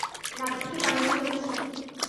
রাঁধিতে পারি না তো কী?